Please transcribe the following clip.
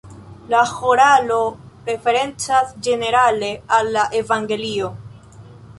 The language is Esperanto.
La ĥoralo referencas ĝenerale al la evangelio.